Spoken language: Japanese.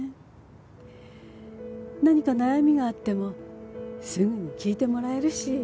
何か悩みがあってもすぐに聞いてもらえるし。